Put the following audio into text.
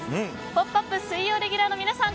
「ポップＵＰ！」水曜レギュラーの皆さん